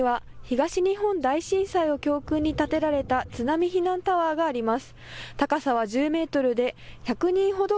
漁港の近くには東日本大震災を教訓を建てられた津波避難タワーがあります。